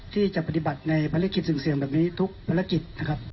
ที่จะปฏิบัติในภารกิจเสี่ยงแบบนี้ทุกภารกิจนะครับ